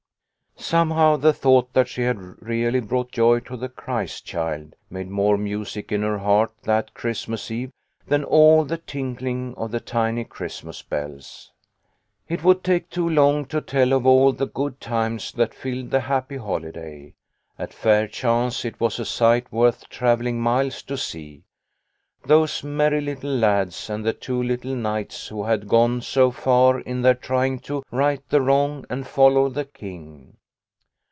Somehow the thought that she had really brought joy to the Christ child made more music in her heart that Christmas eve than all the tinkling of the tiny Christmas bells. It would take too long to tell of all the good times that filled the happy holiday. At Fairchance it was a sight worth travelling miles to see, those merry little lads, and the two little knights who had gone so far in their trying to " right the wrong and follow the king."